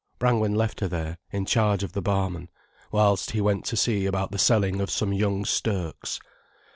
Brangwen left her there, in charge of the barman, whilst he went to see about the selling of some young stirks.